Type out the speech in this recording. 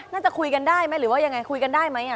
น่าจะคุยกันได้ไหมหรือว่ายังไงคุยกันได้ไหม